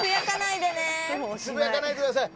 つぶやかないでください。